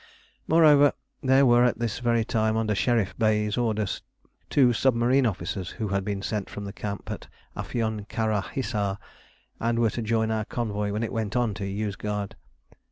Moreover, there were at this very time under Sherif Bey's orders two submarine officers who had been sent from the camp at Afion Kara Hissar, and were to join our convoy when it went on to Yozgad.